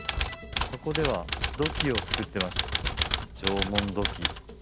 ここでは土器を作ってます縄文土器